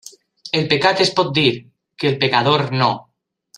El pecat es pot dir, que el pecador no.